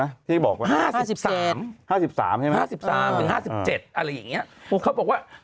๕๐นะที่บอกว่า